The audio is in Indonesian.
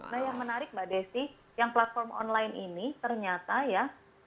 nah yang menarik mbak desi yang platform online ini ternyata ya